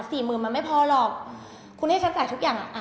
สี่หมื่นมันไม่พอหรอกคุณให้ฉันจ่ายทุกอย่างอ่ะ